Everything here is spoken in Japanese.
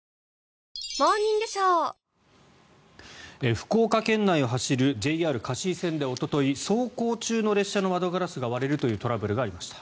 福岡県内を走るＪＲ香椎線で、おととい走行中の列車の窓ガラスが割れるというトラブルがありました。